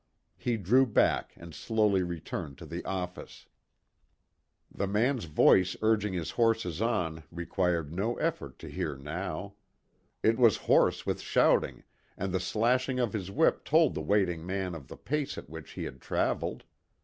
He drew back and slowly returned to the office. The man's voice urging his horses on required no effort to hear now. It was hoarse with shouting, and the slashing of his whip told the waiting man of the pace at which he had traveled.